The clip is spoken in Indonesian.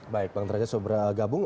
baik bang derajat sobrang gabung